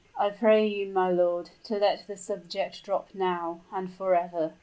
"I pray you, my lord, to let the subject drop now, and forever!"